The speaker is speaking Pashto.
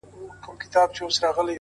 o زه او زما ورته ياران؛